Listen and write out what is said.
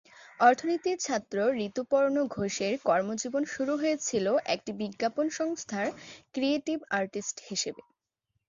অর্থনীতির ছাত্র ঋতুপর্ণ ঘোষের কর্মজীবন শুরু হয়েছিল একটি বিজ্ঞাপন সংস্থার ক্রিয়েটিভ আর্টিস্ট হিসেবে।